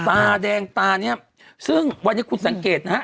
ตาแดงตาเนี่ยซึ่งวันนี้คุณสังเกตนะฮะ